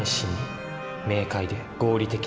明快で合理的な思考。